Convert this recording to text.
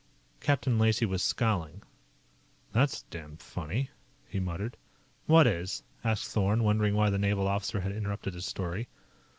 Captain Lacey was scowling. "That's damned funny," he muttered. "What is?" asked Thorn, wondering why the naval officer had interrupted his story.